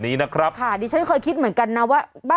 เปิดไฟขอทางออกมาแล้วอ่ะ